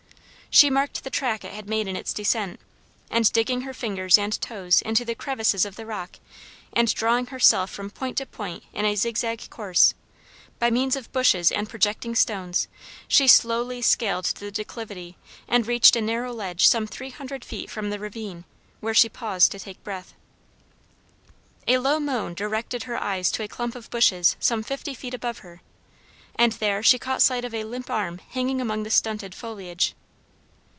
She marked the track it had made in its descent, and digging her fingers and toes into the crevices of the rock, and drawing herself from point to point in a zigzag course, by means of bushes and projecting stones, she slowly scaled the declivity and reached a narrow ledge some three hundred feet from the ravine, where she paused to take breath. A low moan directed her eyes to a clump of bushes some fifty feet above her, and there she caught sight of a limp arm hanging among the stunted foliage.